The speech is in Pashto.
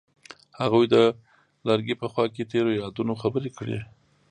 هغوی د لرګی په خوا کې تیرو یادونو خبرې کړې.